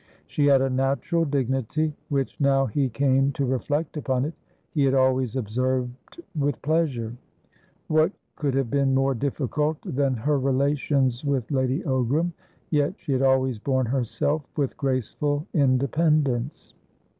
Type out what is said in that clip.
She had a natural dignity, which, now he came to reflect upon it, he had always observed with pleasure. What could have been more difficult than her relations with Lady Ogram? Yet she had always borne herself with graceful independence.